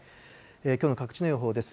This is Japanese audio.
きょうの各地の予報です。